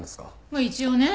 まあ一応ね。